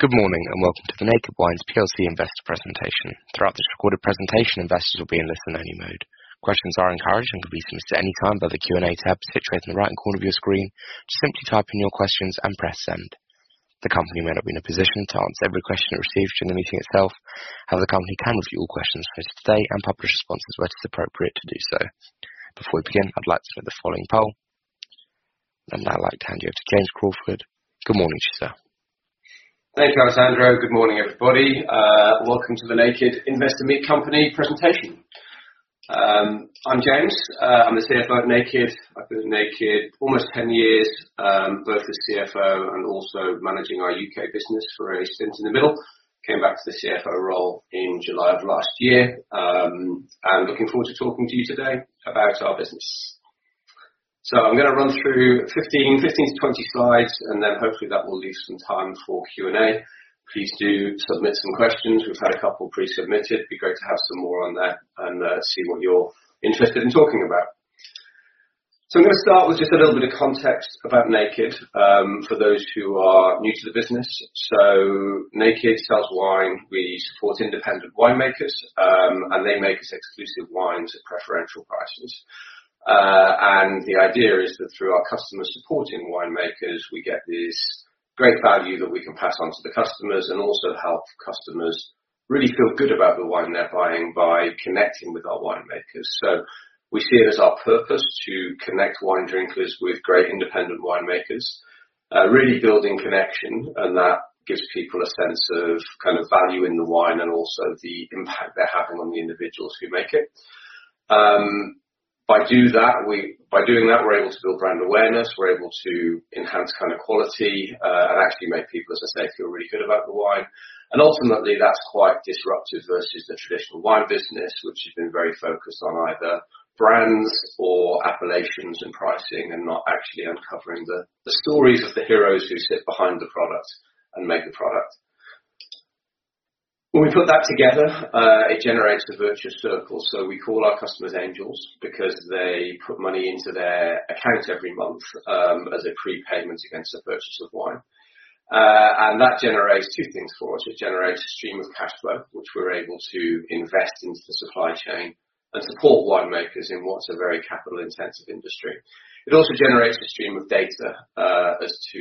Good morning, and welcome to the Naked Wines plc investor presentation. Throughout this recorded presentation, investors will be in listen only mode. Questions are encouraged and can be submitted anytime via the Q&A tab situated in the right corner of your screen. Just simply type in your questions and press Send. The company may not be in a position to answer every question it receives during the meeting itself. However, the company can review all questions posted today and publish responses where it is appropriate to do so. Before we begin, I'd like to run the following poll. I'd now like to hand you over to James Crawford. Good morning to you, sir. Thank you, Alessandro. Good morning, everybody. Welcome to the Naked Investor Meet Company presentation. I'm James, I'm the CFO at Naked. I've been at Naked almost 10 years, both as CFO and also managing our U.K. business for a stint in the middle. Came back to the CFO role in July of last year, and looking forward to talking to you today about our business. So I'm gonna run through 15, 15-20 slides, and then hopefully that will leave some time for Q&A. Please do submit some questions. We've had a couple pre-submitted. It'd be great to have some more on there and see what you're interested in talking about. So I'm going to start with just a little bit of context about Naked, for those who are new to the business. Naked sells wine. We support independent winemakers, and they make us exclusive wines at preferential prices. And the idea is that through our customers supporting winemakers, we get this great value that we can pass on to the customers, and also help customers really feel good about the wine they're buying by connecting with our winemakers. So we see it as our purpose to connect wine drinkers with great independent winemakers, really building connection, and that gives people a sense of kind of value in the wine and also the impact they're having on the individuals who make it. By doing that, we're able to build brand awareness, we're able to enhance kind of quality, and actually make people, as I say, feel really good about the wine. Ultimately, that's quite disruptive versus the traditional wine business, which has been very focused on either brands or appellations and pricing, and not actually uncovering the stories of the heroes who sit behind the product and make the product. When we put that together, it generates a virtuous circle. So we call our customers Angels, because they put money into their account every month, as a prepayment against the purchase of wine. And that generates two things for us. It generates a stream of cash flow, which we're able to invest into the supply chain and support winemakers in what's a very capital-intensive industry. It also generates a stream of data as to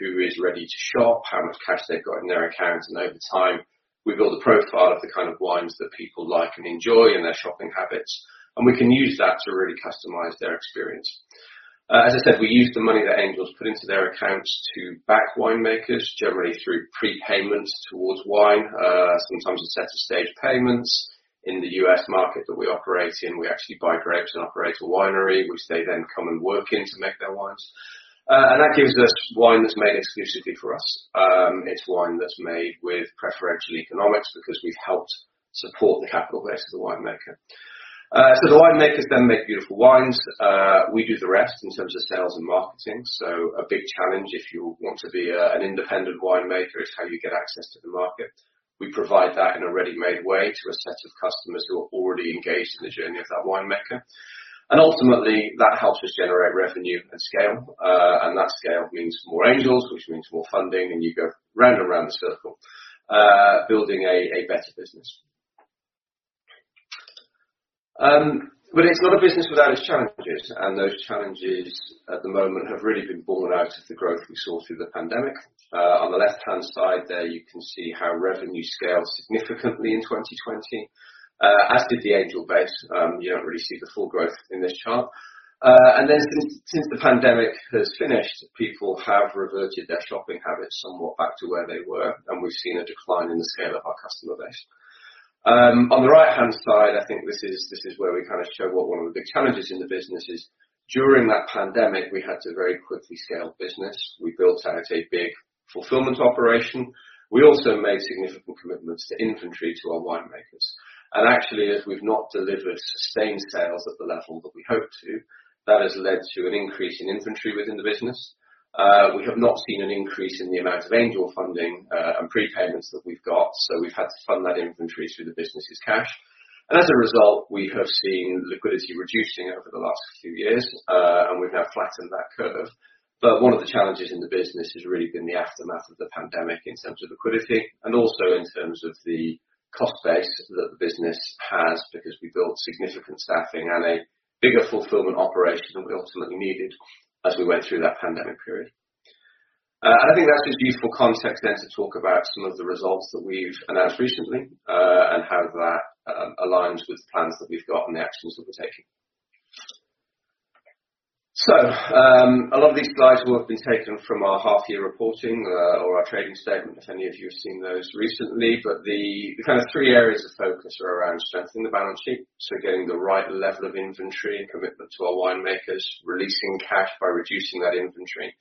who is ready to shop, how much cash they've got in their account, and over time, we build a profile of the kind of wines that people like and enjoy and their shopping habits, and we can use that to really customize their experience. As I said, we use the money that Angels put into their accounts to back winemakers, generally through prepayment towards wine, sometimes a set of stage payments. In the U.S. market that we operate in, we actually buy grapes and operate a winery, which they then come and work in to make their wines. And that gives us wine that's made exclusively for us. It's wine that's made with preferential economics because we've helped support the capital base of the winemaker. So the winemakers then make beautiful wines. We do the rest in terms of sales and marketing. So a big challenge, if you want to be, an independent winemaker, is how you get access to the market. We provide that in a ready-made way to a set of customers who are already engaged in the journey of that winemaker. And ultimately, that helps us generate revenue and scale. And that scale means more Angels, which means more funding, and you go round and round the circle, building a better business. But it's not a business without its challenges, and those challenges at the moment have really been born out of the growth we saw through the pandemic. On the left-hand side there, you can see how revenue scaled significantly in 2020, as did the Angel base. You don't really see the full growth in this chart. And then since, since the pandemic has finished, people have reverted their shopping habits somewhat back to where they were, and we've seen a decline in the scale of our customer base. On the right-hand side, I think this is, this is where we kind of show what one of the big challenges in the business is. During that pandemic, we had to very quickly scale business. We built out a big fulfillment operation. We also made significant commitments to inventory, to our winemakers. And actually, as we've not delivered sustained sales at the level that we hoped to, that has led to an increase in inventory within the business. We have not seen an increase in the amount of Angel funding, and prepayments that we've got, so we've had to fund that inventory through the business' cash. As a result, we have seen liquidity reducing over the last few years, and we've now flattened that curve. One of the challenges in the business has really been the aftermath of the pandemic in terms of liquidity and also in terms of the cost base that the business has, because we built significant staffing and a bigger fulfillment operation than we ultimately needed as we went through that pandemic period. I think that's just useful context then to talk about some of the results that we've announced recently, and how that aligns with the plans that we've got and the actions that we're taking. A lot of these slides will have been taken from our half year reporting, or our trading statement, if any of you have seen those recently. But the kind of three areas of focus are around strengthening the balance sheet, so getting the right level of inventory and commitment to our winemakers, releasing cash by reducing that inventory,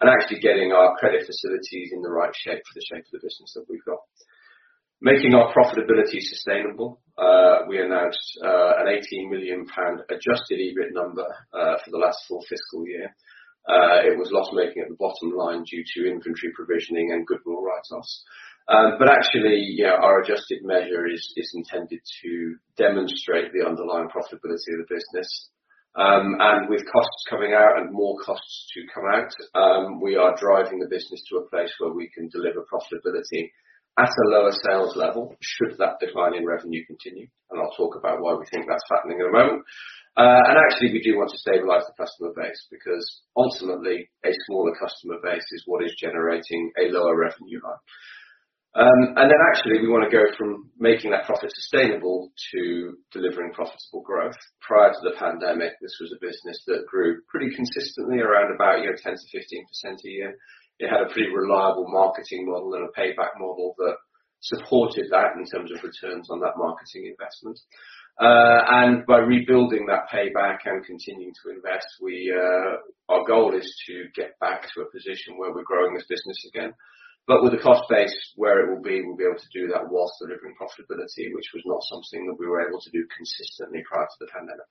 and actually getting our credit facilities in the right shape for the shape of the business that we've got. Making our profitability sustainable, we announced an 18 million pound adjusted EBIT number for the last full fiscal year. It was loss-making at the bottom line due to inventory provisioning and goodwill write-offs. But actually, you know, our adjusted measure is intended to demonstrate the underlying profitability of the business. And with costs coming out and more costs to come out, we are driving the business to a place where we can deliver profitability at a lower sales level, should that decline in revenue continue, and I'll talk about why we think that's happening in a moment. Actually, we do want to stabilize the customer base because ultimately a smaller customer base is what is generating a lower revenue hub. Then actually, we wanna go from making that profit sustainable to delivering profitable growth. Prior to the pandemic, this was a business that grew pretty consistently around about, you know, 10%-15% a year. It had a pretty reliable marketing model and a payback model that supported that in terms of returns on that marketing investment. And by rebuilding that payback and continuing to invest, we, our goal is to get back to a position where we're growing this business again, but with the cost base where it will be, we'll be able to do that whilst delivering profitability, which was not something that we were able to do consistently prior to the pandemic.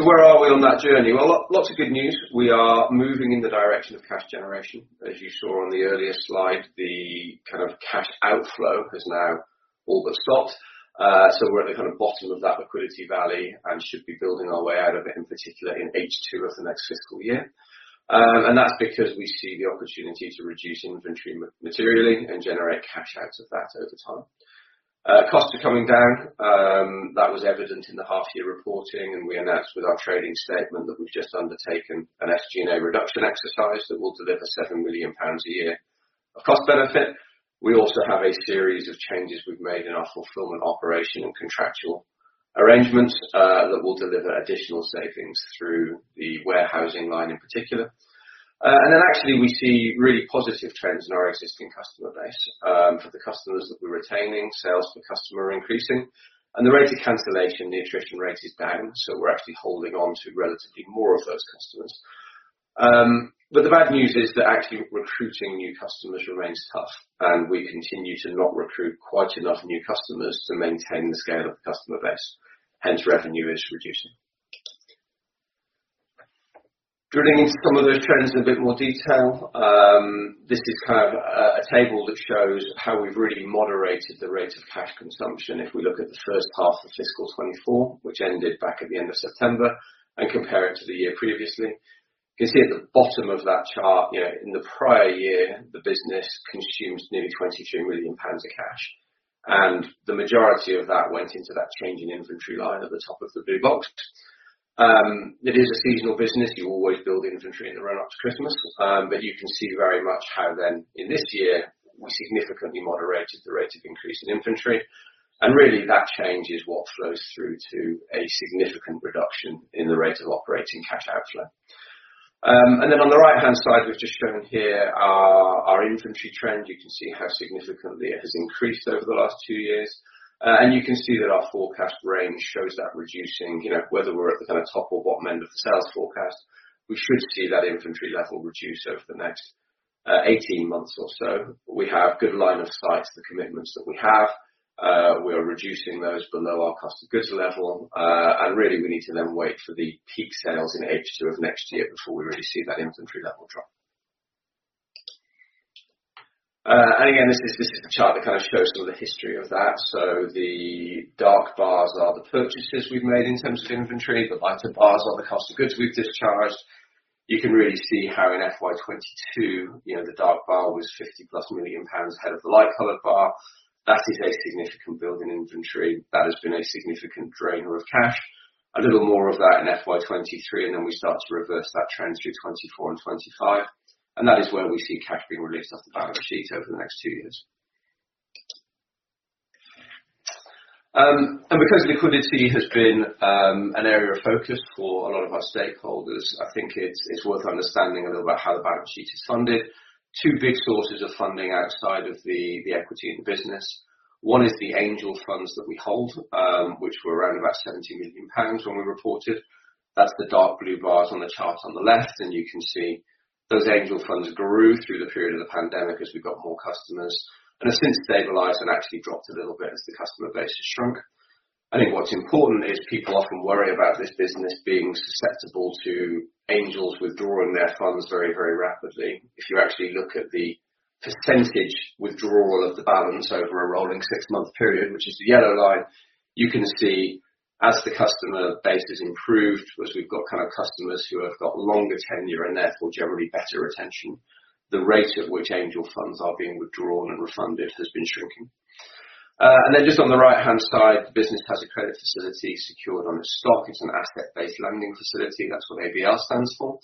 So where are we on that journey? Well, lots of good news. We are moving in the direction of cash generation. As you saw on the earlier slide, the kind of cash outflow has now all but stopped. So we're at the kind of bottom of that liquidity valley and should be building our way out of it, in particular, in H2 of the next fiscal year. And that's because we see the opportunity to reduce inventory materially and generate cash out of that over time. Costs are coming down. That was evident in the half year reporting, and we announced with our trading statement that we've just undertaken an SG&A reduction exercise that will deliver 7 million pounds a year of cost benefit. We also have a series of changes we've made in our fulfillment operation and contractual arrangements that will deliver additional savings through the warehousing line in particular. And then actually, we see really positive trends in our existing customer base. For the customers that we're retaining, sales per customer are increasing, and the rate of cancellation, the attrition rate, is down, so we're actually holding on to relatively more of those customers. But the bad news is that actually recruiting new customers remains tough, and we continue to not recruit quite enough new customers to maintain the scale of the customer base, hence, revenue is reducing. Drilling into some of those trends in a bit more detail, this is kind of a table that shows how we've really moderated the rate of cash consumption. If we look at the first half of fiscal 2024, which ended back at the end of September, and compare it to the year previously, you can see at the bottom of that chart, you know, in the prior year, the business consumed nearly 22 million pounds of cash, and the majority of that went into that change in inventory line at the top of the blue box. It is a seasonal business. You always build inventory in the run-up to Christmas, but you can see very much how then, in this year, we significantly moderated the rate of increase in inventory, and really, that change is what flows through to a significant reduction in the rate of operating cash outflow. And then on the right-hand side, we've just shown here our inventory trend. You can see how significantly it has increased over the last two years. And you can see that our forecast range shows that reducing, you know, whether we're at the kind of top or bottom end of the sales forecast, we should see that inventory level reduce over the next 18 months or so. We have good line of sight to the commitments that we have. We are reducing those below our cost of goods level, and really, we need to then wait for the peak sales in H2 of next year before we really see that inventory level drop. And again, this, this is the chart that kind of shows some of the history of that. So the dark bars are the purchases we've made in terms of inventory. The lighter bars are the cost of goods we've discharged. You can really see how in FY 2022, you know, the dark bar was 50+ million pounds ahead of the light-colored bar. That is a significant build in inventory. That has been a significant drainer of cash. A little more of that in FY 2023, and then we start to reverse that trend through 2024 and 2025, and that is where we see cash being released off the balance sheet over the next two years. And because liquidity has been, an area of focus for a lot of our stakeholders, I think it's worth understanding a little about how the balance sheet is funded. Two big sources of funding outside of the equity in the business, one is the Angel funds that we hold, which were around about 70 million pounds when we reported. That's the dark blue bars on the chart on the left, and you can see those Angel funds grew through the period of the pandemic as we got more customers, and has since stabilized and actually dropped a little bit as the customer base has shrunk. I think what's important is people often worry about this business being susceptible to angels withdrawing their funds very, very rapidly. If you actually look at the percentage withdrawal of the balance over a rolling six-month period, which is the yellow line, you can see as the customer base has improved, as we've got kind of customers who have got longer tenure and therefore generally better retention, the rate at which Angel funds are being withdrawn and refunded has been shrinking. And then just on the right-hand side, the business has a credit facility secured on its stock. It's an asset-based lending facility. That's what ABL stands for.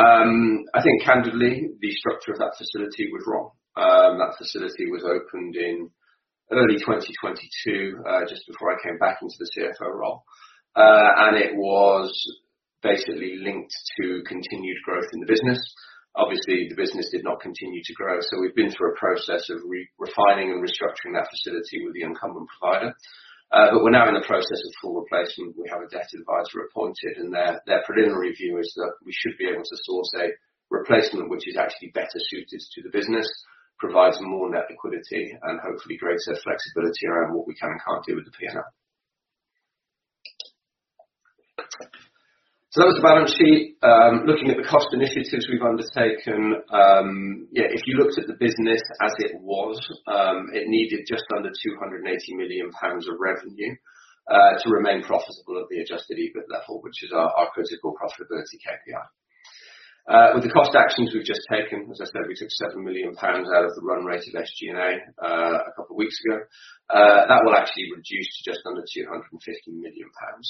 I think candidly, the structure of that facility was wrong. That facility was opened in early 2022, just before I came back into the CFO role, and it was basically linked to continued growth in the business. Obviously, the business did not continue to grow, so we've been through a process of refining and restructuring that facility with the incumbent provider. But we're now in the process of full replacement. We have a debt advisor appointed, and their preliminary view is that we should be able to source a replacement which is actually better suited to the business, provides more net liquidity, and hopefully greater flexibility around what we can and can't do with the P&L. So that was the balance sheet. Looking at the cost initiatives we've undertaken, yeah, if you looked at the business as it was, it needed just under 280 million pounds of revenue to remain profitable at the Adjusted EBIT level, which is our critical profitability KPI. With the cost actions we've just taken, as I said, we took 7 million pounds out of the run rate of SG&A a couple of weeks ago. That will actually reduce to just under 250 million pounds.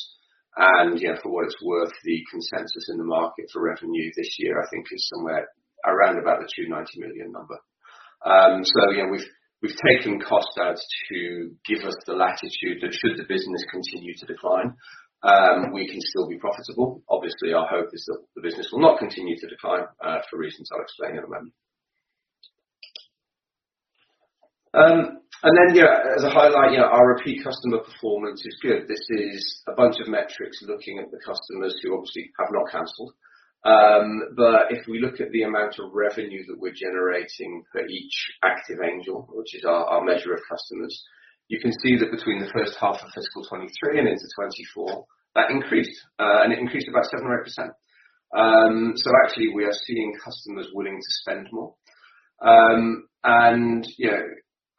Yeah, for what it's worth, the consensus in the market for revenue this year, I think is somewhere around about the 290 million number. So again, we've taken costs out to give us the latitude that should the business continue to decline, we can still be profitable. Obviously, our hope is that the business will not continue to decline for reasons I'll explain in a moment. And then, as a highlight, our repeat customer performance is good. This is a bunch of metrics looking at the customers who obviously have not canceled. But if we look at the amount of revenue that we're generating for each active Angel, which is our measure of customers, you can see that between the first half of fiscal 2023 and into 2024, that increased, and it increased about 7%-8%. So actually we are seeing customers willing to spend more. And, you know,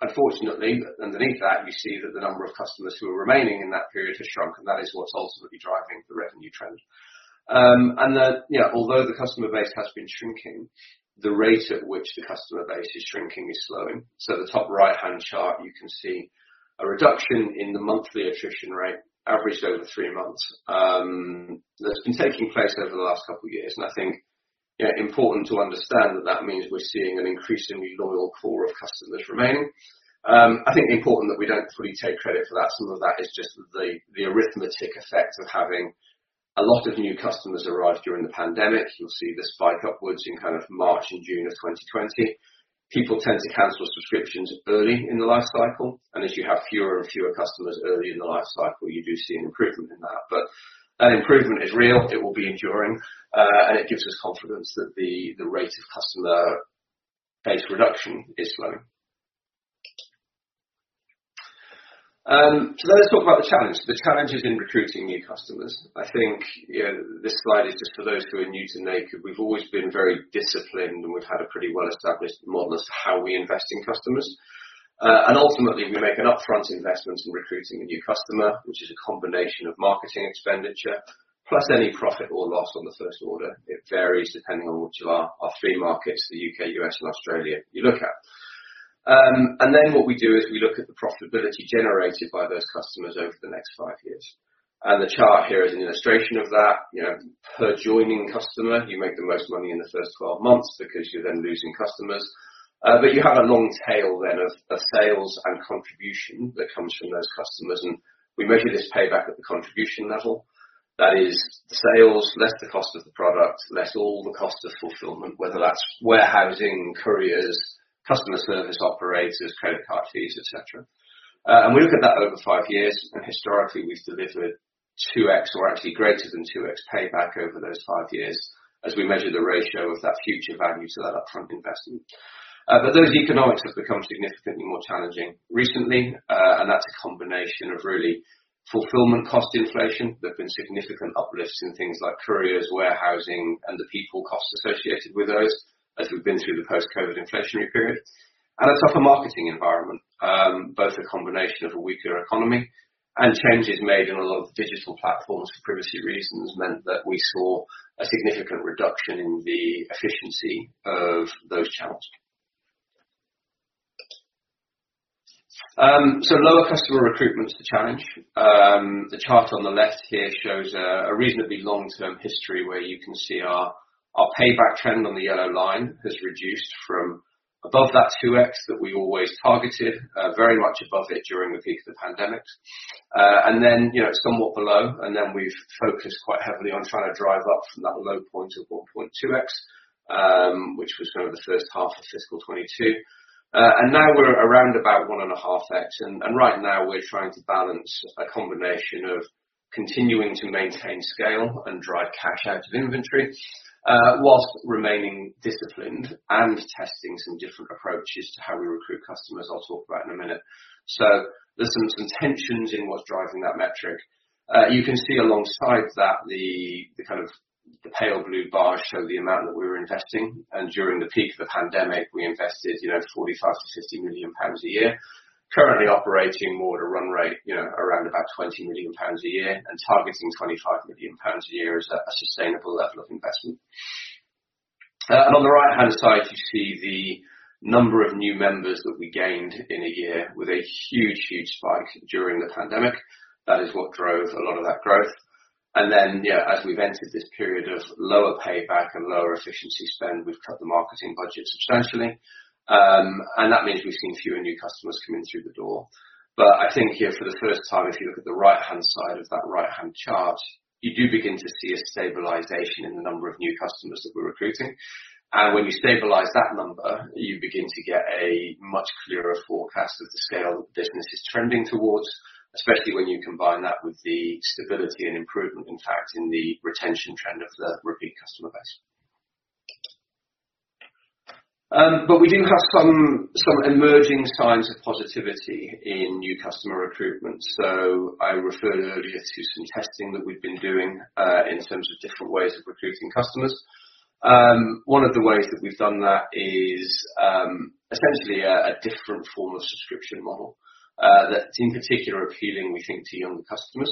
unfortunately, underneath that, you see that the number of customers who are remaining in that period has shrunk, and that is what's ultimately driving the revenue trend. And then, yeah, although the customer base has been shrinking, the rate at which the customer base is shrinking is slowing. The top right-hand chart, you can see a reduction in the monthly attrition rate, averaged over three months, that's been taking place over the last couple of years. I think, yeah, important to understand that that means we're seeing an increasingly loyal core of customers remaining. I think important that we don't fully take credit for that. Some of that is just the arithmetic effect of having a lot of new customers arrive during the pandemic. You'll see the spike upwards in kind of March and June of 2020. People tend to cancel subscriptions early in the life cycle, and as you have fewer and fewer customers early in the life cycle, you do see an improvement in that. But that improvement is real, it will be enduring, and it gives us confidence that the, the rate of customer base reduction is slowing. So let's talk about the challenge. The challenge is in recruiting new customers. I think, you know, this slide is just for those who are new to Naked. We've always been very disciplined, and we've had a pretty well-established model as to how we invest in customers. And ultimately, we make an upfront investment in recruiting a new customer, which is a combination of marketing expenditure, plus any profit or loss on the first order. It varies depending on which of our, our three markets, the U.K., U.S., and Australia, you look at. And then what we do is we look at the profitability generated by those customers over the next five years. And the chart here is an illustration of that. You know, per joining customer, you make the most money in the first 12 months because you're then losing customers. But you have a long tail then of sales and contribution that comes from those customers, and we measure this payback at the contribution level. That is sales, less the cost of the product, less all the cost of fulfillment, whether that's warehousing, couriers, customer service operators, credit card fees, et cetera. And we look at that over five years, and historically, we've delivered 2x or actually greater than 2x payback over those five years as we measure the ratio of that future value to that upfront investment. But those economics have become significantly more challenging recently, and that's a combination of really fulfillment cost inflation. There have been significant uplifts in things like couriers, warehousing, and the people costs associated with those as we've been through the post-COVID inflationary period, and a tougher marketing environment. Both a combination of a weaker economy and changes made in a lot of digital platforms for privacy reasons, meant that we saw a significant reduction in the efficiency of those channels. So lower customer recruitment is a challenge. The chart on the left here shows a reasonably long-term history, where you can see our, our payback trend on the yellow line has reduced from above that 2x that we always targeted, very much above it during the peak of the pandemic. And then, you know, it's somewhat below, and then we've focused quite heavily on trying to drive up from that low point of 1.2x, which was kind of the first half of fiscal 2022. And now we're around about 1.5x, and right now we're trying to balance a combination of continuing to maintain scale and drive cash out of inventory, while remaining disciplined and testing some different approaches to how we recruit customers. I'll talk about in a minute. So there's some tensions in what's driving that metric. You can see alongside that, the kind of the pale blue bars show the amount that we were investing, and during the peak of the pandemic, we invested, you know, 45 million-50 million pounds a year. Currently operating more at a run rate, you know, around about 20 million pounds a year, and targeting 25 million pounds a year as a sustainable level of investment. On the right-hand side, you see the number of new members that we gained in a year with a huge, huge spike during the pandemic. That is what drove a lot of that growth. And then, yeah, as we've entered this period of lower payback and lower efficiency spend, we've cut the marketing budget substantially. And that means we've seen fewer new customers coming through the door. But I think here, for the first time, if you look at the right-hand side of that right-hand chart, you do begin to see a stabilization in the number of new customers that we're recruiting. And when you stabilize that number, you begin to get a much clearer forecast of the scale the business is trending towards, especially when you combine that with the stability and improvement, in fact, in the retention trend of the repeat customer base. But we do have some emerging signs of positivity in new customer recruitment. So I referred earlier to some testing that we've been doing, in terms of different ways of recruiting customers. One of the ways that we've done that is essentially a different form of subscription model that's in particular appealing, we think, to younger customers.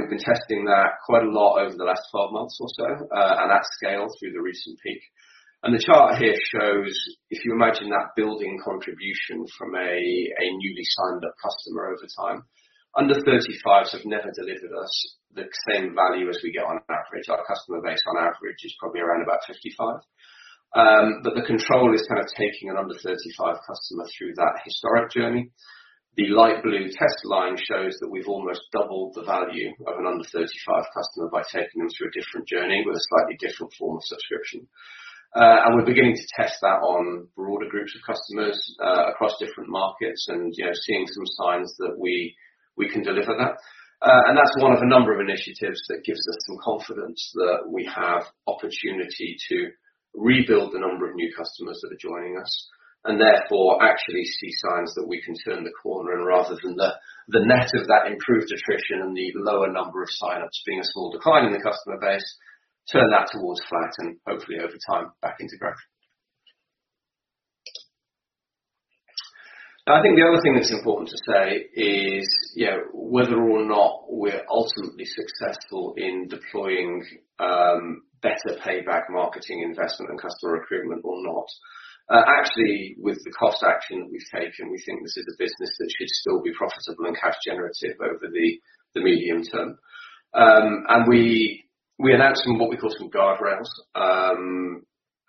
We've been testing that quite a lot over the last 12 months or so, and at scale through the recent peak. The chart here shows, if you imagine that building contribution from a newly signed up customer over time, under 35s have never delivered us the same value as we get on average. Our customer base, on average, is probably around about 55. But the control is kind of taking an under 35 customer through that historic journey. The light blue test line shows that we've almost doubled the value of an under 35 customer by taking them through a different journey with a slightly different form of subscription. And we're beginning to test that on broader groups of customers across different markets, and, you know, seeing some signs that we can deliver that. And that's one of a number of initiatives that gives us some confidence that we have opportunity to rebuild the number of new customers that are joining us, and therefore actually see signs that we can turn the corner, and rather than the, the net of that improved attrition and the lower number of signups being a small decline in the customer base, turn that towards flat and hopefully, over time, back into growth. I think the other thing that's important to say is, you know, whether or not we're ultimately successful in deploying, better payback marketing investment and customer recruitment or not, actually, with the cost action that we've taken, we think this is a business that should still be profitable and cash generative over the, the medium term. And we announced some, what we call some guardrails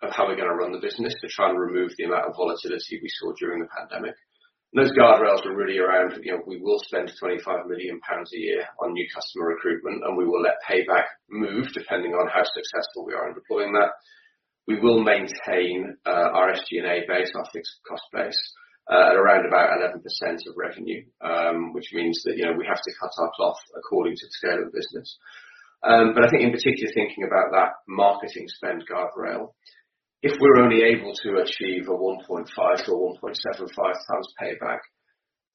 of how we're gonna run the business to try and remove the amount of volatility we saw during the pandemic. Those guardrails are really around, you know, we will spend 25 million pounds a year on new customer recruitment, and we will let payback move depending on how successful we are in deploying that. We will maintain our SG&A base, our fixed cost base at around about 11% of revenue, which means that, you know, we have to cut our cloth according to the scale of the business. But I think in particular, thinking about that marketing spend guardrail, if we're only able to achieve a 1.5 times-1.75 times payback,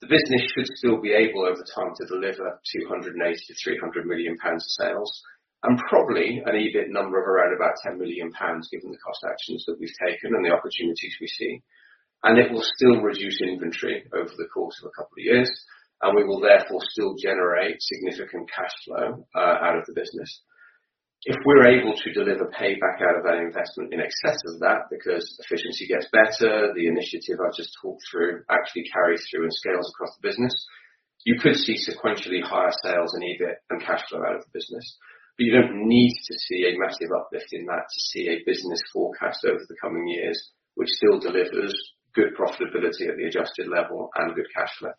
the business should still be able, over time, to deliver 280 million-300 million pounds of sales, and probably an EBIT number of around about 10 million pounds, given the cost actions that we've taken and the opportunities we see. It will still reduce inventory over the course of a couple of years, and we will therefore still generate significant cash flow out of the business. If we're able to deliver payback out of that investment in excess of that, because efficiency gets better, the initiative I've just talked through actually carries through and scales across the business, you could see sequentially higher sales and EBIT and cash flow out of the business. But you don't need to see a massive uplift in that to see a business forecast over the coming years, which still delivers good profitability at the adjusted level and good cash flow.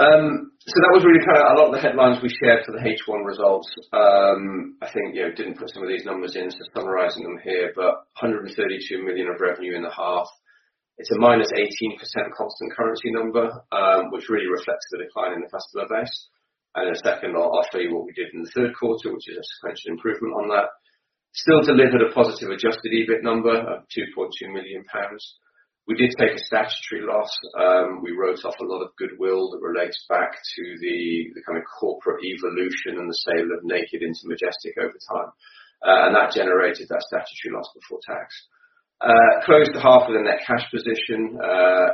So that was really kind of a lot of the headlines we shared for the H1 results. I think, you know, didn't put some of these numbers in, just summarizing them here, but 132 million of revenue in the half. It's a -18% constant currency number, which really reflects the decline in the customer base. And in a second, I'll show you what we did in the third quarter, which is a sequential improvement on that. Still delivered a positive adjusted EBIT number of 2.2 million pounds. We did take a statutory loss. We wrote off a lot of goodwill that relates back to the kind of corporate evolution and the sale of Naked into Majestic over time. And that generated that statutory loss before tax. Closed the half with a net cash position,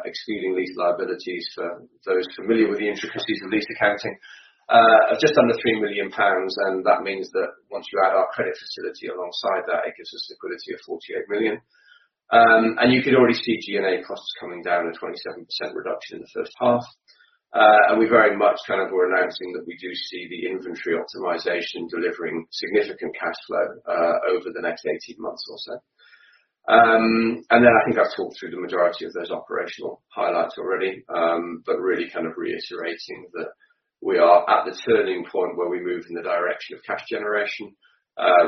excluding lease liabilities for those familiar with the intricacies of lease accounting, of just under 3 million pounds, and that means that once you add our credit facility alongside that, it gives us liquidity of 48 million. And you could already see G&A costs coming down, a 27% reduction in the first half. And we very much kind of were announcing that we do see the inventory optimization delivering significant cash flow over the next 18 months or so. Then I think I've talked through the majority of those operational highlights already, but really kind of reiterating that we are at the turning point where we move in the direction of cash generation,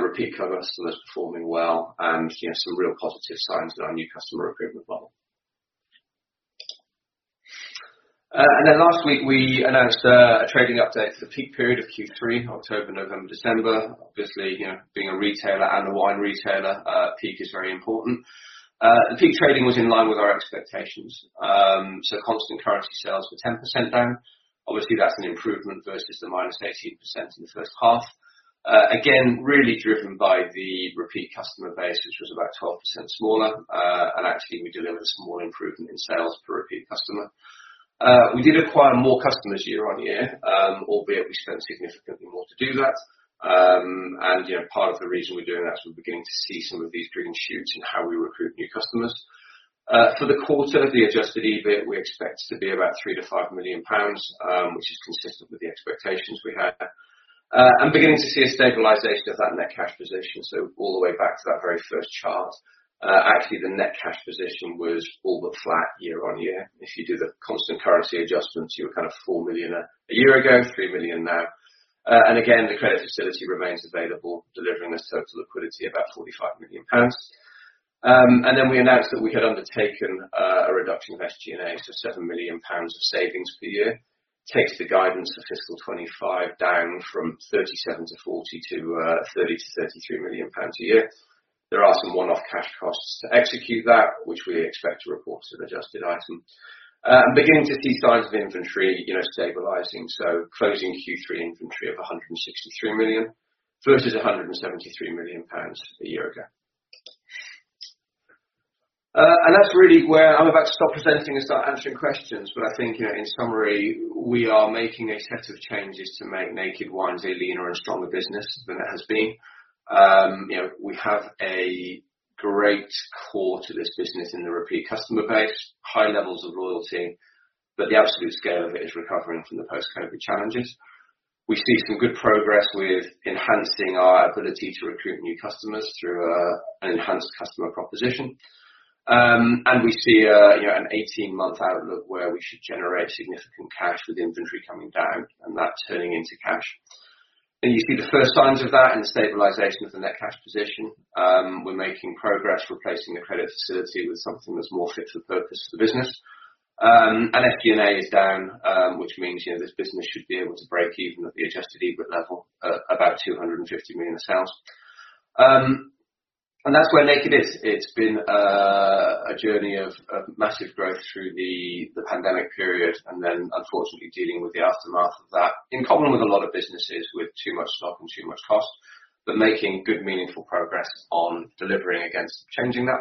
repeat customers performing well, and, you know, some real positive signs in our new customer recruitment model. Then last week, we announced a trading update for the peak period of Q3, October, November, December. Obviously, you know, being a retailer and a wine retailer, peak is very important. The peak trading was in line with our expectations. Constant currency sales were 10% down. Obviously, that's an improvement versus the -18% in the first half. Again, really driven by the repeat customer base, which was about 12% smaller. Actually, we delivered some more improvement in sales per repeat customer. We did acquire more customers year-on-year, albeit we spent significantly more to do that. And, you know, part of the reason we're doing that is we're beginning to see some of these green shoots in how we recruit new customers. For the quarter, the adjusted EBIT, we expect to be about 3 million-5 million pounds, which is consistent with the expectations we had. And beginning to see a stabilization of that net cash position, so all the way back to that very first chart. Actually, the net cash position was all but flat year-on-year. If you do the constant currency adjustments, you were kind of 4 million a year ago, 3 million now. And again, the credit facility remains available, delivering this total liquidity of about 45 million pounds... And then we announced that we had undertaken a reduction of SG&A to 7 million pounds of savings per year. Takes the guidance for fiscal 2025 down from 37 million-40 million to 30 million-33 million pounds a year. There are some one-off cash costs to execute that, which we expect to report as an adjusted item. And beginning to see signs of inventory, you know, stabilizing, so closing Q3 inventory of 163 million versus 173 million pounds a year ago. And that's really where I'm about to stop presenting and start answering questions. But I think, you know, in summary, we are making a set of changes to make Naked Wines a leaner and stronger business than it has been. You know, we have a great core to this business in the repeat customer base, high levels of loyalty, but the absolute scale of it is recovering from the post-COVID challenges. We see some good progress with enhancing our ability to recruit new customers through an enhanced customer proposition. And we see a, you know, an 18-month outlook where we should generate significant cash with inventory coming down and that turning into cash. You see the first signs of that in the stabilization of the net cash position. We're making progress replacing the credit facility with something that's more fit for purpose for the business. And SG&A is down, which means, you know, this business should be able to break even at the Adjusted EBIT level, at about 250 million in sales. And that's where Naked is. It's been a journey of massive growth through the pandemic period, and then unfortunately, dealing with the aftermath of that, in common with a lot of businesses with too much stock and too much cost, but making good, meaningful progress on delivering against changing that.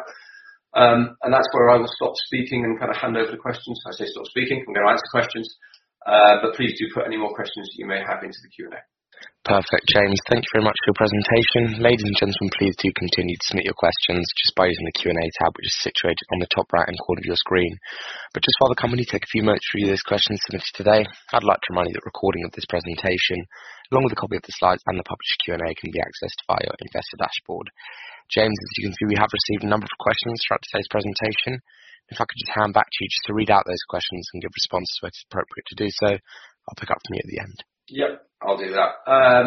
And that's where I will stop speaking and kinda hand over the questions. I say, "Stop speaking," I'm gonna answer questions, but please do put any more questions that you may have into the Q&A. Perfect, James. Thank you very much for your presentation. Ladies and gentlemen, please do continue to submit your questions just by using the Q&A tab, which is situated on the top right-hand corner of your screen. But just while the company take a few moments to read those questions submitted today, I'd like to remind you that a recording of this presentation, along with a copy of the slides and the published Q&A, can be accessed via investor dashboard. James, as you can see, we have received a number of questions throughout today's presentation. If I could just hand back to you just to read out those questions and give responses where it's appropriate to do so. I'll pick up from you at the end. Yep, I'll do that.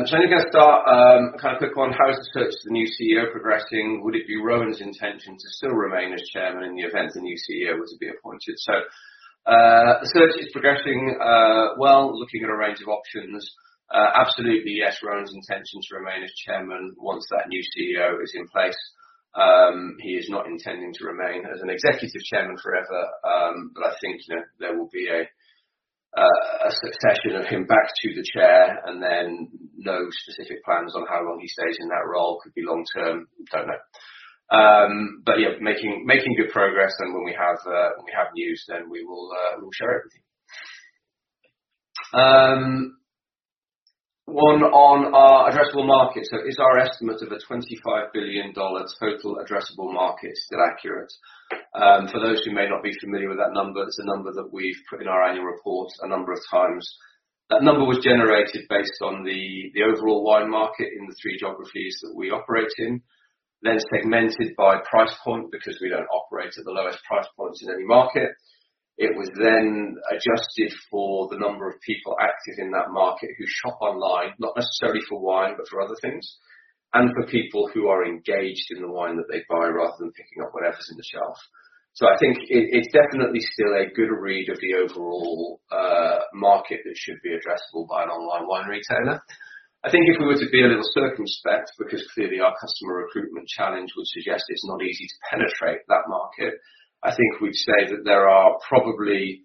So I'm gonna start, kind of quick one: How is the search for the new CEO progressing? Would it be Rowan's intention to still remain as chairman in the event the new CEO was to be appointed? So, the search is progressing, well, looking at a range of options. Absolutely, yes, Rowan's intention to remain as chairman once that new CEO is in place. He is not intending to remain as an executive chairman forever, but I think, you know, there will be a, a succession of him back to the chair, and then no specific plans on how long he stays in that role. Could be long term, don't know. But yeah, making good progress, and when we have news, then we will, we'll share it with you. One on our addressable market. So is our estimate of a $25 billion total addressable market still accurate? For those who may not be familiar with that number, it's a number that we've put in our annual report a number of times. That number was generated based on the overall wine market in the three geographies that we operate in, then segmented by price point, because we don't operate at the lowest price points in any market. It was then adjusted for the number of people active in that market who shop online, not necessarily for wine, but for other things, and for people who are engaged in the wine that they buy rather than picking up whatever's on the shelf. So I think it's definitely still a good read of the overall market that should be addressable by an online wine retailer. I think if we were to be a little circumspect, because clearly our customer recruitment challenge would suggest it's not easy to penetrate that market, I think we'd say that there are probably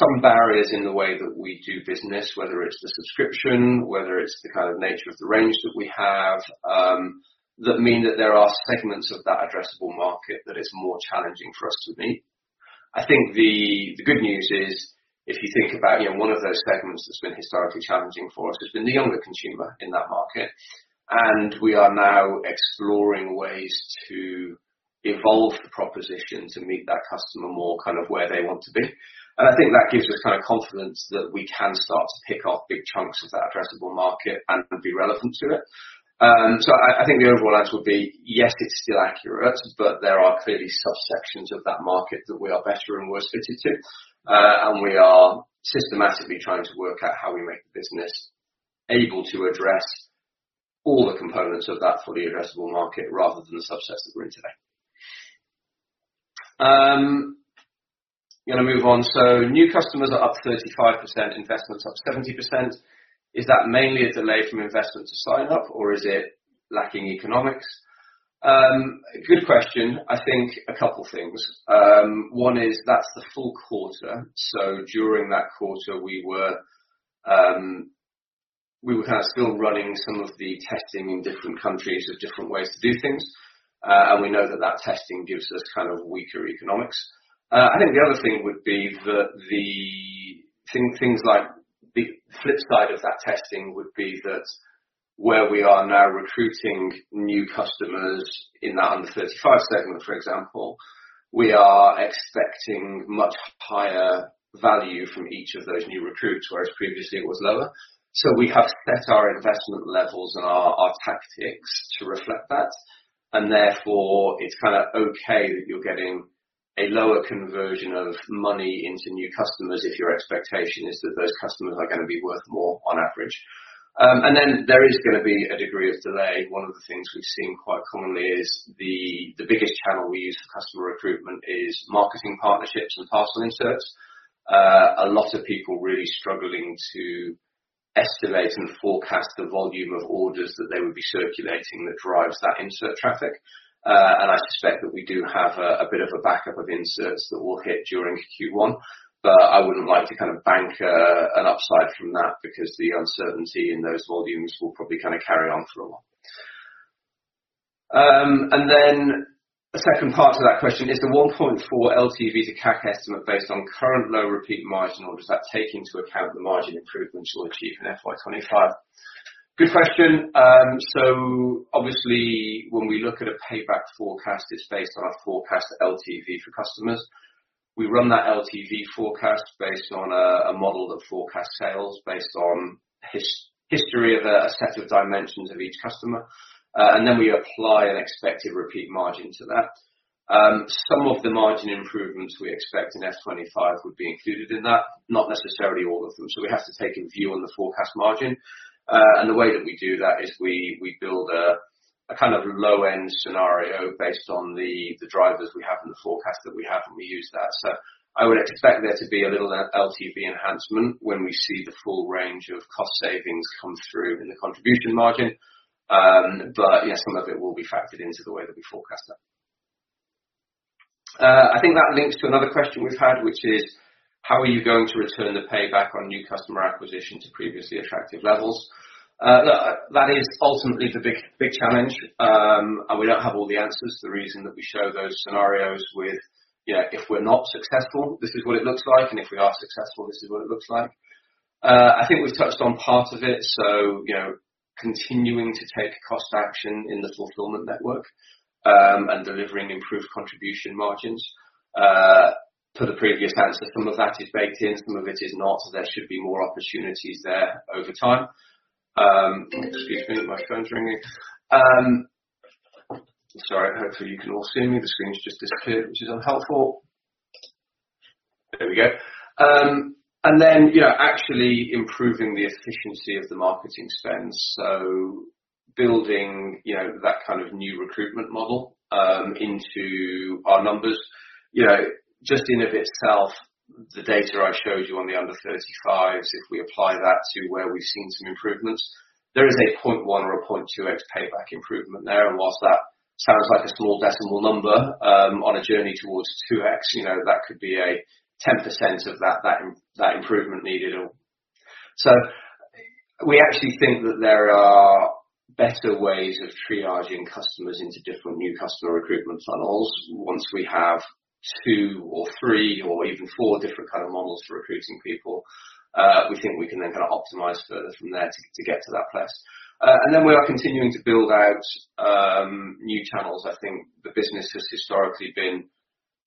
some barriers in the way that we do business, whether it's the subscription, whether it's the kind of nature of the range that we have, that mean that there are segments of that addressable market that it's more challenging for us to meet. I think the good news is, if you think about, you know, one of those segments that's been historically challenging for us has been the younger consumer in that market, and we are now exploring ways to evolve the proposition to meet that customer more kind of where they want to be. And I think that gives us kind of confidence that we can start to pick off big chunks of that addressable market and be relevant to it. So I think the overall answer would be, yes, it's still accurate, but there are clearly subsections of that market that we are better and worse fitted to, and we are systematically trying to work out how we make the business able to address all the components of that fully addressable market, rather than the subsets that we're in today. Gonna move on. So new customers are up 35%, investments up 70%. Is that mainly a delay from investment to sign up, or is it lacking economics? Good question. I think a couple things. One is, that's the full quarter. So during that quarter, we were kind of still running some of the testing in different countries with different ways to do things, and we know that that testing gives us kind of weaker economics. I think the other thing would be that things like the flip side of that testing would be that where we are now recruiting new customers in that under 35 segment, for example, we are expecting much higher value from each of those new recruits, whereas previously it was lower. So we have set our investment levels and our tactics to reflect that, and therefore, it's kinda okay that you're getting a lower conversion of money into new customers if your expectation is that those customers are going to be worth more on average. And then there is going to be a degree of delay. One of the things we've seen quite commonly is the biggest channel we use for customer recruitment is marketing partnerships and parcel inserts. A lot of people really struggling to estimate and forecast the volume of orders that they would be circulating that drives that insert traffic. And I suspect that we do have a bit of a backup of inserts that will hit during Q1, but I wouldn't like to kind of bank an upside from that because the uncertainty in those volumes will probably kind of carry on for a while. And then the second part to that question: Is the 1.4 LTV to CAC estimate based on current low repeat margin, or does that take into account the margin improvements you'll achieve in FY 2025? Good question. So obviously, when we look at a payback forecast, it's based on our forecast LTV for customers. We run that LTV forecast based on a model that forecasts sales based on history of a set of dimensions of each customer, and then we apply an expected repeat margin to that. Some of the margin improvements we expect in FY 2O25 would be included in that, not necessarily all of them. So we have to take a view on the forecast margin. And the way that we do that is we build a kind of low-end scenario based on the drivers we have and the forecast that we have, and we use that. So I would expect there to be a little LTV enhancement when we see the full range of cost savings come through in the contribution margin. But yes, some of it will be factored into the way that we forecast that. I think that links to another question we've had, which is: How are you going to return the payback on new customer acquisition to previously attractive levels? That is ultimately the big, big challenge, and we don't have all the answers. The reason that we show those scenarios with, you know, if we're not successful, this is what it looks like, and if we are successful, this is what it looks like. I think we've touched on part of it, so, you know, continuing to take cost action in the fulfillment network, and delivering improved contribution margins. To the previous answer, some of that is baked in, some of it is not, so there should be more opportunities there over time. Excuse me, my phone's ringing. Sorry. Hopefully, you can all see me. The screen's just disappeared, which is unhelpful. There we go. And then, yeah, actually improving the efficiency of the marketing spend, so building, you know, that kind of new recruitment model into our numbers. You know, just in and of itself, the data I showed you on the under 35s, if we apply that to where we've seen some improvements, there is a 0.1 or 0.2x payback improvement there, and whilst that sounds like a small decimal number, on a journey towards 2x, you know, that could be 10% of that, that improvement needed all. So we actually think that there are better ways of triaging customers into different new customer recruitment funnels. Once we have two or three or even four different kind of models for recruiting people, we think we can then kind of optimize further from there to, to get to that place. And then we are continuing to build out new channels. I think the business has historically been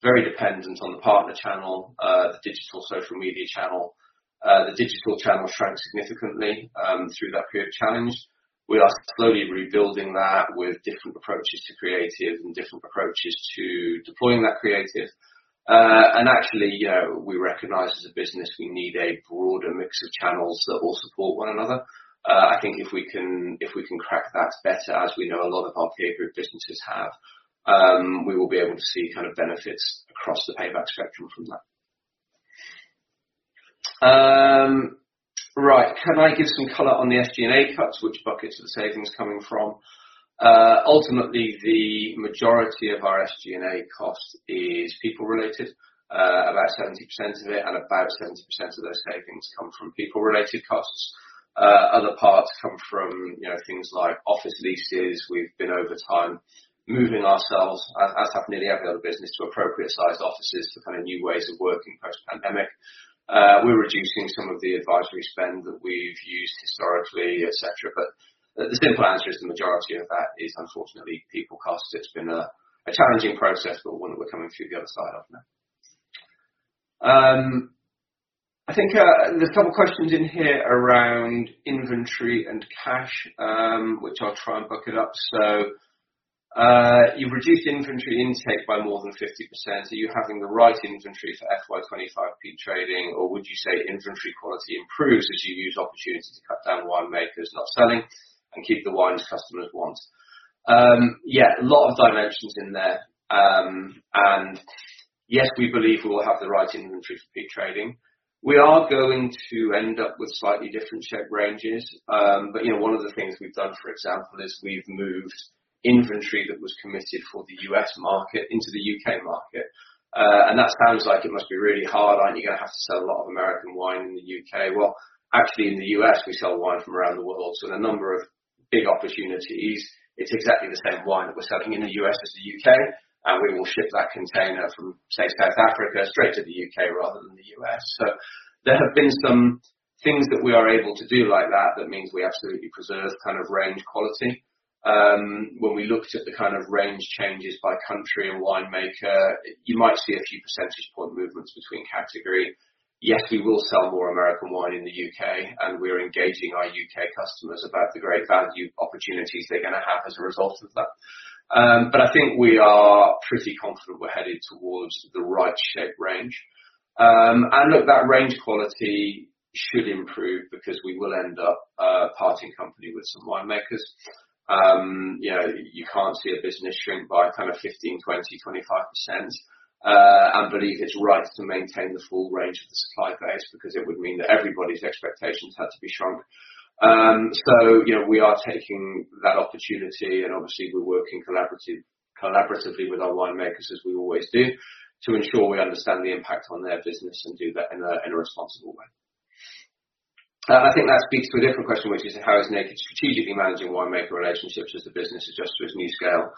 very dependent on the partner channel, the digital social media channel. The digital channel shrank significantly through that period of challenge. We are slowly rebuilding that with different approaches to creative and different approaches to deploying that creative. And actually, you know, we recognize as a business, we need a broader mix of channels that all support one another. I think if we can, if we can crack that better, as we know a lot of our peer group businesses have, we will be able to see kind of benefits across the payback spectrum from that. Right. Can I give some color on the SG&A cuts? Which buckets are the savings coming from? Ultimately, the majority of our SG&A cost is people related, about 70% of it, and about 70% of those savings come from people-related costs. Other parts come from, you know, things like office leases. We've been over time moving ourselves, as have nearly every other business, to appropriate sized offices, to find new ways of working post-pandemic. We're reducing some of the advisory spend that we've used historically, et cetera, but the simple answer is the majority of that is unfortunately people costs. It's been a challenging process, but one that we're coming through the other side of now. I think, there's a couple questions in here around inventory and cash, which I'll try and bucket up. So, you've reduced inventory intake by more than 50%. Are you having the right inventory for FY 2025 peak trading, or would you say inventory quality improves as you use opportunities to cut down wine makers not selling and keep the wines customers want? Yeah, a lot of dimensions in there. And yes, we believe we will have the right inventory for peak trading. We are going to end up with slightly different check ranges, but, you know, one of the things we've done, for example, is we've moved inventory that was committed for the US market into the UK market. And that sounds like it must be really hard. Aren't you gonna have to sell a lot of American wine in the U.K.? Well, actually, in the U.S., we sell wine from around the world. So in a number of big opportunities, it's exactly the same wine that we're selling in the U.S. as the U.K., and we will ship that container from, say, South Africa, straight to the U.K. rather than the U.S. So there have been some things that we are able to do like that, that means we absolutely preserve kind of range quality. When we looked at the kind of range changes by country and wine maker, you might see a few percentage point movements between category. Yes, we will sell more American wine in the U.K. and we're engaging our U.K. customers about the great value opportunities they're gonna have as a result of that. But I think we are pretty confident we're headed towards the right shape range. And look, that range quality should improve because we will end up parting company with some winemakers. You know, you can't see a business shrink by kind of 15%, 20%, 25%, and believe it's right to maintain the full range of the supply base, because it would mean that everybody's expectations had to be shrunk. So, you know, we are taking that opportunity, and obviously we're working collaboratively with our winemakers, as we always do, to ensure we understand the impact on their business and do that in a responsible way. I think that speaks to a different question, which is: How is Naked strategically managing winemaker relationships as the business adjusts to its new scale?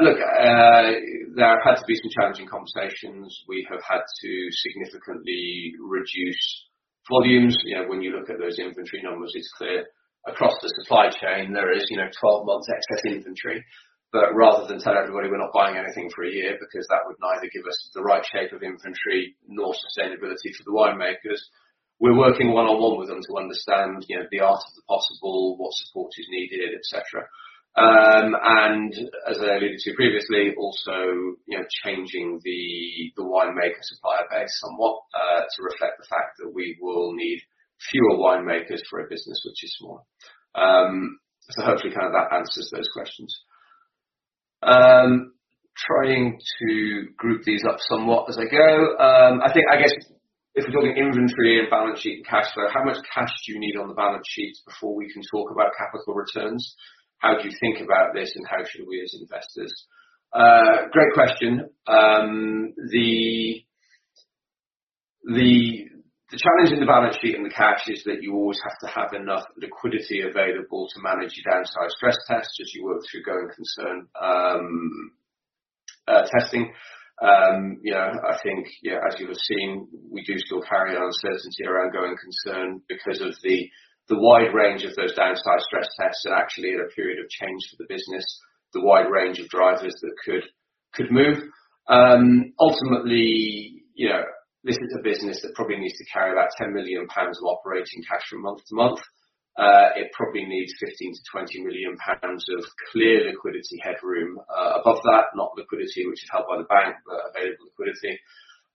Look, there have had to be some challenging conversations. We have had to significantly reduce volumes. You know, when you look at those inventory numbers, it's clear across the supply chain there is, you know, 12 months excess inventory. But rather than tell everybody we're not buying anything for a year, because that would neither give us the right shape of inventory nor sustainability for the winemakers, we're working one-on-one with them to understand, you know, the art of the possible, what support is needed, et cetera. And as I alluded to previously, also, you know, changing the winemaker supplier base somewhat, to reflect the fact that we will need fewer winemakers for a business which is smaller. So hopefully kind of that answers those questions. Trying to group these up somewhat as I go. I think, I guess, if we're talking inventory and balance sheet and cash flow, how much cash do you need on the balance sheet before we can talk about capital returns? How do you think about this, and how should we as investors? Great question. The challenge in the balance sheet and the cash is that you always have to have enough liquidity available to manage your downside stress test as you work through going concern testing. You know, I think, yeah, as you have seen, we do still carry uncertainty around going concern because of the wide range of those downside stress tests and actually in a period of change for the business, the wide range of drivers that could move. Ultimately, you know, this is a business that probably needs to carry about 10 million pounds of operating cash from month to month. It probably needs 15 million-20 million pounds of clear liquidity headroom above that, not liquidity, which is held by the bank, but available liquidity.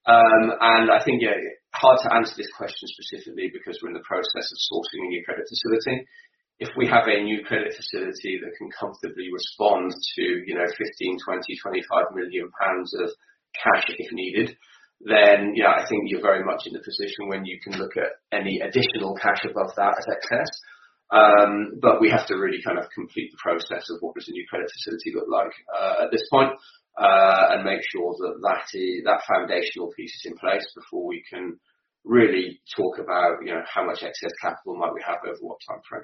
And I think, yeah, hard to answer this question specifically because we're in the process of sorting a new credit facility. If we have a new credit facility that can comfortably respond to, you know, 15 million pounds, 20 million, 25 million pounds of cash if needed, then, yeah, I think you're very much in the position when you can look at any additional cash above that as excess. But we have to really kind of complete the process of what does a new credit facility look like, at this point, and make sure that that, that foundational piece is in place before we can really talk about, you know, how much excess capital might we have over what time frame.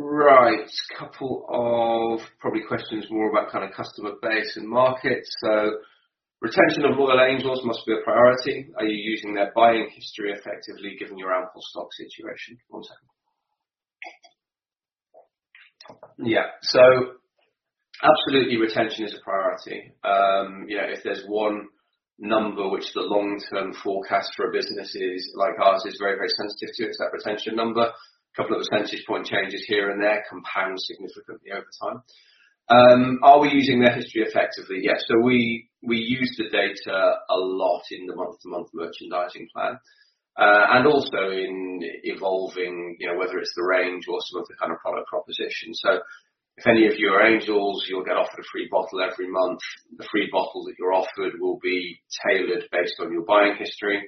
Right. Couple of probably questions more about kind of customer base and market. So retention of loyal Angels must be a priority. Are you using their buying history effectively, given your ample stock situation? One second. Yeah. So absolutely, retention is a priority. You know, if there's one number which the long-term forecast for a business is, like ours, is very, very sensitive to, it's that retention number. A couple of percentage point changes here and there compound significantly over time. Are we using their history effectively? Yes. So we, we use the data a lot in the month-to-month merchandising plan, and also in evolving, you know, whether it's the range or some of the kind of product propositions. So if any of you are Angels, you'll get offered a free bottle every month. The free bottle that you're offered will be tailored based on your buying history.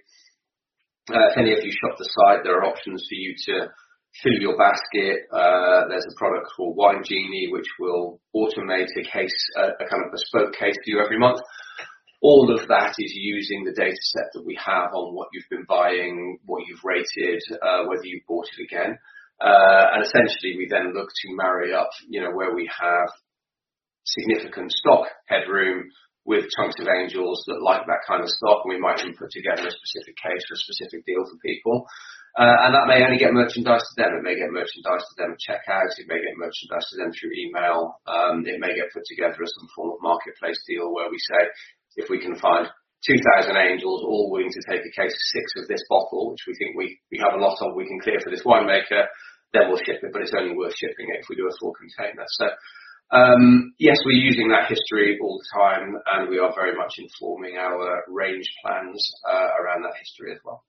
If any of you shop the site, there are options for you to fill your basket. There's a product called Wine Genie, which will automate a case, a kind of bespoke case for you every month. All of that is using the data set that we have on what you've been buying, what you've rated, whether you've bought it again. And essentially, we then look to marry up, you know, where we have significant stock headroom with chunks of Angels that like that kind of stock, and we might even put together a specific case for a specific deal for people. And that may only get merchandised to them. It may get merchandised to them at checkout, it may get merchandised to them through email, it may get put together as some form of marketplace deal where we say, "If we can find 2,000 Angels all willing to take a case of six of this bottle, which we think we, we have a lot of, we can clear for this winemaker, then we'll ship it, but it's only worth shipping it if we do a full container." So, yes, we're using that history all the time, and we are very much informing our range plans around that history as well.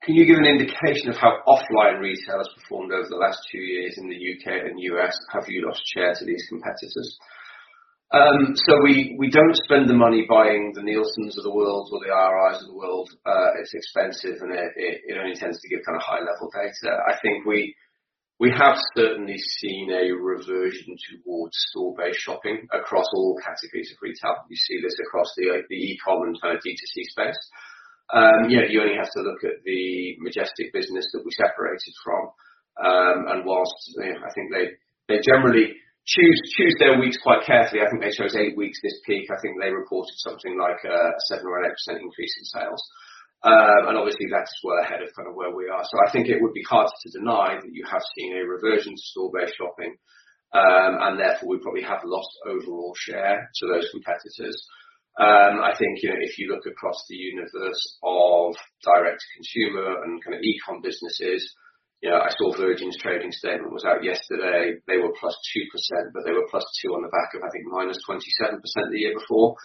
Can you give an indication of how offline retailers performed over the last two years in the U.K. and U.S.? Have you lost share to these competitors? So we don't spend the money buying the Nielsens of the world or the IRIs of the world. It's expensive, and it only tends to give kind of high-level data. I think we have certainly seen a reversion towards store-based shopping across all categories of retail. You see this across the e-com and kind of D2C space. Yeah, you only have to look at the Majestic business that we separated from, and while, you know, I think they generally choose their weeks quite carefully. I think they chose eight weeks this peak. I think they reported something like 7% or 8% increase in sales. And obviously, that's well ahead of kind of where we are. So I think it would be hard to deny that you have seen a reversion to store-based shopping, and therefore, we probably have lost overall share to those competitors. I think, you know, if you look across the universe of direct-to-consumer and kind of e-com businesses, you know, I saw Virgin's trading statement was out yesterday. They were +2%, but they were +2% on the back of, I think, -27% the year before.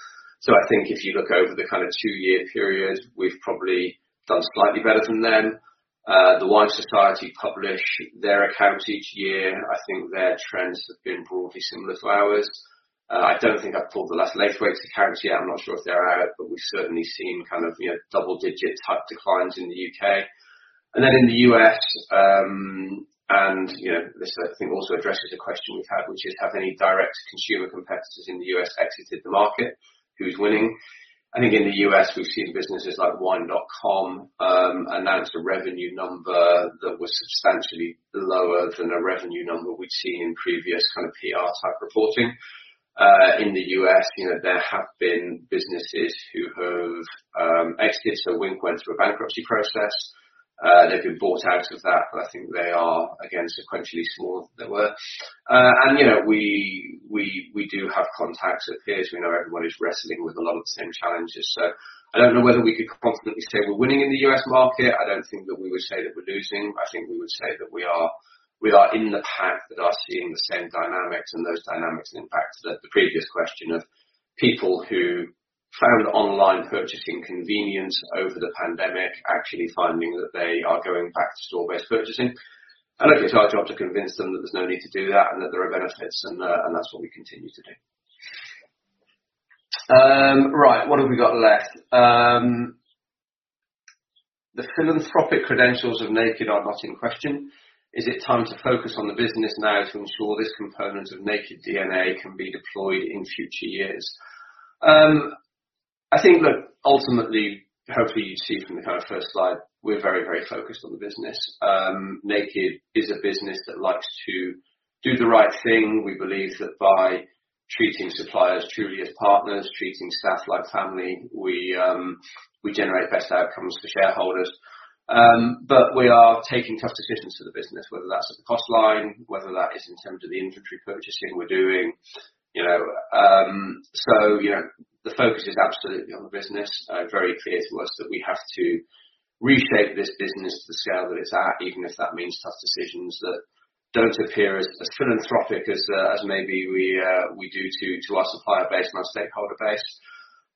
So I think if you look over the kind of two-year period, we've probably done slightly better than them. The Wine Society publish their accounts each year. I think their trends have been broadly similar to ours. I don't think I've pulled the latest Laithwaites accounts yet. I'm not sure if they're out, but we've certainly seen kind of, you know, double digit type declines in the UK. And then in the US, and, you know, this, I think, also addresses a question we've had, which is: Have any direct consumer competitors in the U.S. exited the market? Who's winning? I think in the U.S. we've seen businesses like Wine.com, announce a revenue number that was substantially lower than the revenue number we've seen in previous kind of PR-type reporting. In the U.S. you know, there have been businesses who have exited, so Winc went through a bankruptcy process. They've been bought out of that, but I think they are, again, sequentially smaller than they were. And, you know, we do have contacts at peers. We know everyone is wrestling with a lot of the same challenges, so I don't know whether we could confidently say we're winning in the US market. I don't think that we would say that we're losing. I think we would say that we are in the pack that are seeing the same dynamics, and those dynamics impact the previous question of people who found online purchasing convenient over the pandemic, actually finding that they are going back to store-based purchasing. And look, it's our job to convince them that there's no need to do that and that there are benefits, and that's what we continue to do. Right, what have we got left? The philanthropic credentials of Naked are not in question. Is it time to focus on the business now to ensure this component of Naked DNA can be deployed in future years? I think that ultimately, hopefully you see from the kind of first slide, we're very, very focused on the business. Naked is a business that likes to do the right thing. We believe that by treating suppliers truly as partners, treating staff like family, we, we generate best outcomes for shareholders. But we are taking tough decisions to the business, whether that's at the cost line, whether that is in terms of the inventory purchasing we're doing, you know, so, you know, the focus is absolutely on the business. Very clear to us that we have to reshape this business to the scale that it's at, even if that means tough decisions that don't appear as philanthropic as maybe we do to our supplier base and our stakeholder base.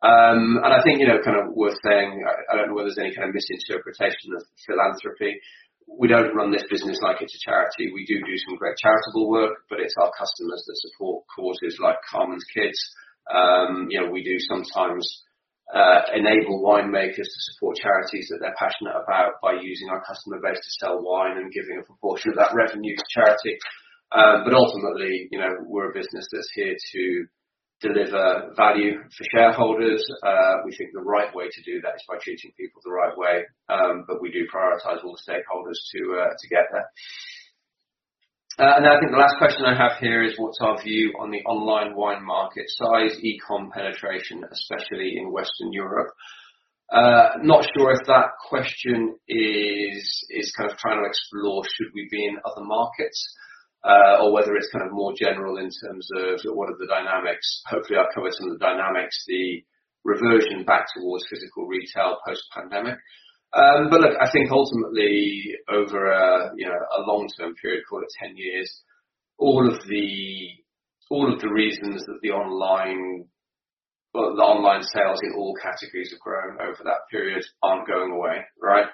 And I think, you know, kind of worth saying, I don't know whether there's any kind of misinterpretation of philanthropy. We don't run this business like it's a charity. We do do some great charitable work, but it's our customers that support causes like Carmen's Kids. You know, we do sometimes enable winemakers to support charities that they're passionate about by using our customer base to sell wine and giving a proportion of that revenue to charity. But ultimately, you know, we're a business that's here to deliver value for shareholders. We think the right way to do that is by treating people the right way, but we do prioritize all the stakeholders to get there. And I think the last question I have here is: What's our view on the online wine market size, e-com penetration, especially in Western Europe? Not sure if that question is kind of trying to explore should we be in other markets, or whether it's kind of more general in terms of what are the dynamics. Hopefully, I've covered some of the dynamics, the reversion back towards physical retail post-pandemic. But look, I think ultimately, over a, you know, a long-term period, call it 10 years, all of the reasons that the online... Well, the online sales in all categories have grown over that period, aren't going away, right?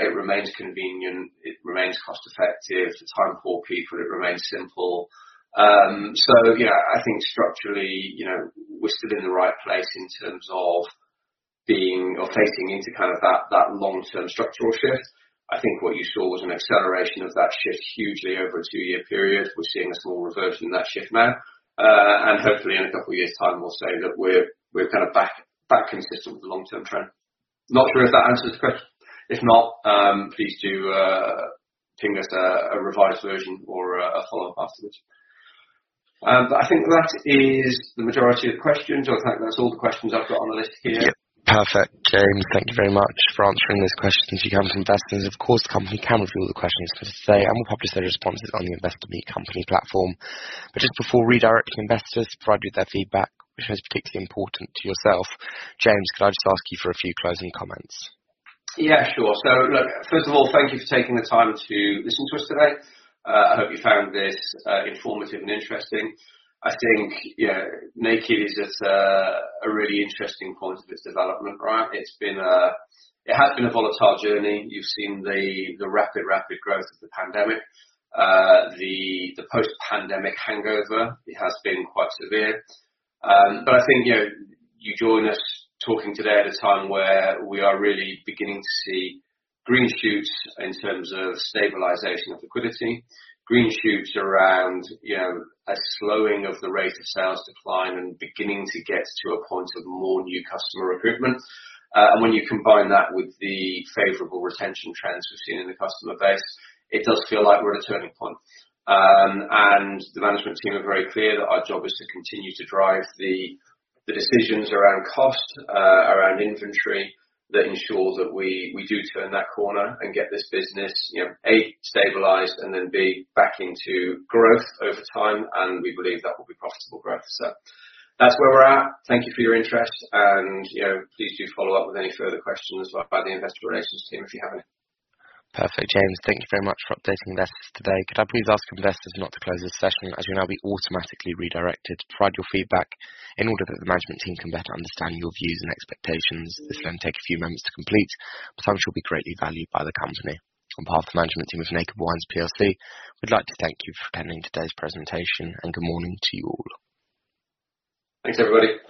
It remains convenient, it remains cost-effective to time-poor people, it remains simple. So yeah, I think structurally, you know, we're still in the right place in terms of being or taking into kind of that, that long-term structural shift. I think what you saw was an acceleration of that shift hugely over a two-year period. We're seeing a small reversion in that shift now, and hopefully in a couple of years' time, we'll say that we're, we're kind of back, back consistent with the long-term trend. Not sure if that answers the question. If not, please do ping us a, a revised version or a, a follow-up afterwards. But I think that is the majority of the questions, or in fact, that's all the questions I've got on the list here. Yep. Perfect, James. Thank you very much for answering those questions on behalf of investors. Of course, the company can review all the questions today and will publish their responses on the Investor Meet Company platform. But just before redirecting investors to provide you with their feedback, which is particularly important to yourself, James, could I just ask you for a few closing comments? Yeah, sure. So look, first of all, thank you for taking the time to listen to us today. I hope you found this informative and interesting. I think, you know, Naked is at a really interesting point of its development, right? It has been a volatile journey. You've seen the rapid growth of the pandemic, the post-pandemic hangover. It has been quite severe. But I think, you know, you join us talking today at a time where we are really beginning to see green shoots in terms of stabilization of liquidity, green shoots around, you know, a slowing of the rate of sales decline and beginning to get to a point of more new customer recruitment. And when you combine that with the favorable retention trends we've seen in the customer base, it does feel like we're at a turning point. And the management team are very clear that our job is to continue to drive the decisions around cost, around inventory, that ensure that we do turn that corner and get this business, you know, A, stabilized, and then, B, back into growth over time, and we believe that will be profitable growth. So that's where we're at. Thank you for your interest, and, you know, please do follow up with any further questions by the investor relations team, if you have any. Perfect, James. Thank you very much for updating investors today. Could I please ask investors not to close this session, as you'll now be automatically redirected to provide your feedback, in order that the management team can better understand your views and expectations. This may take a few moments to complete, but some shall be greatly valued by the company. On behalf of the management team of Naked Wines plc, we'd like to thank you for attending today's presentation, and good morning to you all. Thanks, everybody.